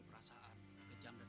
kalau sampai terjadi apa apa